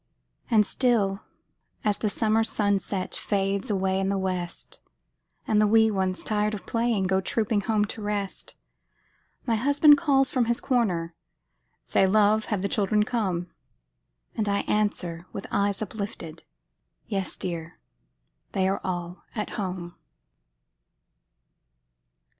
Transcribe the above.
And still, as the summer sunset Fades away in the west, And the wee ones, tired of playing, Go trooping home to rest, My husband calls from his corner, "Say, love, have the children come?" And I answer, with eyes uplifted, "Yes, dear! they are all at home."